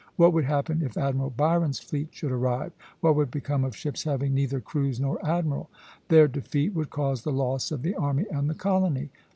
What would happen if Admiral Byron's fleet should arrive? What would become of ships having neither crews nor admiral? Their defeat would cause the loss of the army and the colony.